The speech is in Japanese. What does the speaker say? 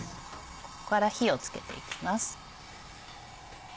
こっから火を付けていきます。